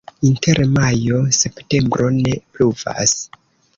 Inter majo-septembro ne pluvas.